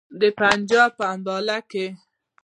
د پنجاب په امباله کې.